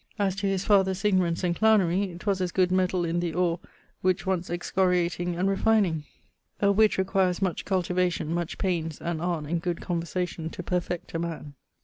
As to his father's ignorance and clownery, 'twas as good metall in the oare which wants excoriating and refineing. A witt requires much cultivation, much paines, and art and good conversation to perfect a man.